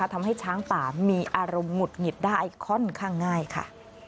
ทำให้ช้างป่ามีอารมณ์หงุดหงิดได้ค่อนข้างง่ายค่ะ